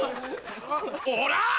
おら！